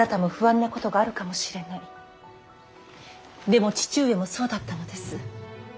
でも父上もそうだったのです。